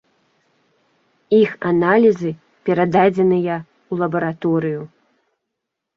Іх аналізы перададзеныя ў лабараторыю.